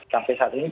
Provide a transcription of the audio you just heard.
sampai saat ini